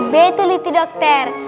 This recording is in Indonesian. betul itu dokter